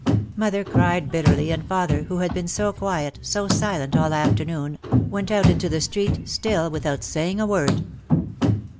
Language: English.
Mother cried bitterly and father, who had been so quiet, so silent all afternoon, went out into the street still without saying a word.